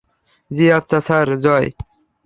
জ্বি আচ্ছা স্যার জয়।